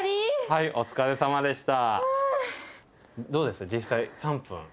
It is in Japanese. はいお疲れさまでした。